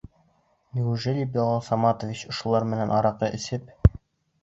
Неужели Билал Саматович ошолар менән араҡы эсеп...